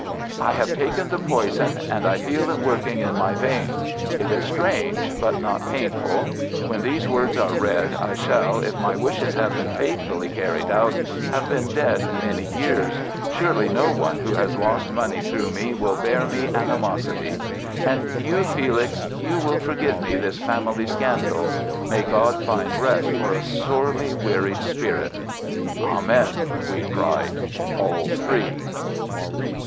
"'I have taken the poison, and I feel it working in my veins. It is strange, but not painful. When these words are read I shall, if my wishes have been faithfully carried out, have been dead many years. Surely no one who has lost money through me will still bear me animosity. And you, Felix, you will forgive me this family scandal. May God find rest for a sorely wearied spirit!'" "Amen!" we cried, all three.